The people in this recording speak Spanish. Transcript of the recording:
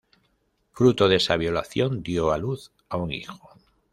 Fruto de esa violación dio a luz a un hijo.